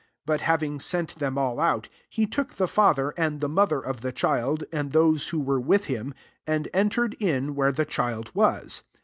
But having sent them all out, he took the father and the mother of the child, and those who were with him, and entered in where the child was.